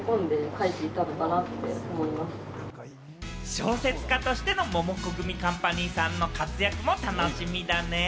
小説家としてのモモコグミカンパニーさんの活躍も楽しみだね。